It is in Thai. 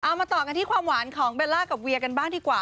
มาต่อกันที่ความหวานของเบลล่ากับเวียกันบ้างดีกว่า